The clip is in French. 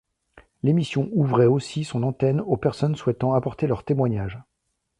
L'émission ouvrait aussi son antenne aux personnes souhaitant apporter leur témoignage.